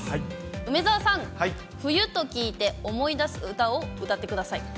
梅澤さん、冬と聞いて思い出す歌を歌ってください。